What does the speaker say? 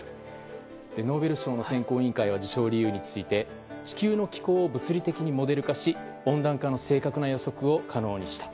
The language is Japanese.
ノーベル賞の選考委員会は受賞理由について地球の気候を物理的にモデル化し温暖化の正確な予測を可能にした。